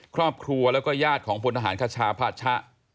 ครอบครัวแล้วก็ญาติของพลทหารคชาพาชะ